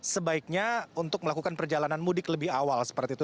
sebaiknya untuk melakukan perjalanan mudik lebih awal seperti itu